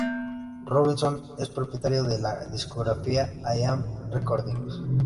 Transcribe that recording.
Robinson es propietario de la discográfica I Am Recordings.